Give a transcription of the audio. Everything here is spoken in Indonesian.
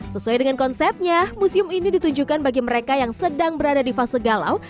sesuai dengan konsepnya museum ini ditunjukkan bagi mereka yang sedang berada di fase galau